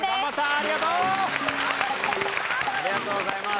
ありがとうございます！